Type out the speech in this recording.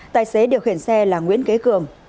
tài xế điều khiển xe là nguyễn kế cường